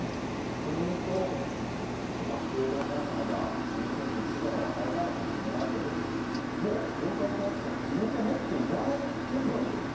逆にいうとまたスケートの神様が羽生選手に試練を与えたのかもしれないけど、もう４回転アクセル決めてねって言われてるよう。